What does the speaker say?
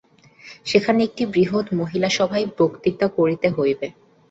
সেখানে একটি বৃহৎ মহিলাসভায় বক্তৃতা করিতে হইবে।